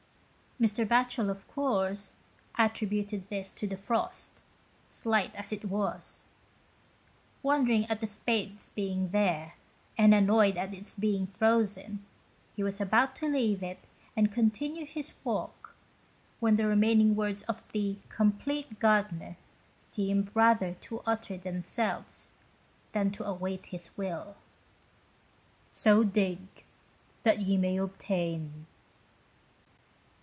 Mr. Batchel, of course, attributed this to the frost, slight 80 BONE TO HIS BONE. as it was. Wondering at the spade's being there, and annoyed at its being frozen, he was about to leave it and continue his walk, when the remaining words of the " Oompleat Gard'ner" seemed rather to utter themselves, than to await his will —" So dig, that ye may obtain."